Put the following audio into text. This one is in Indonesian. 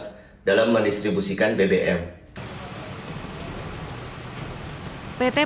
melalui sedikit peringatan yang penting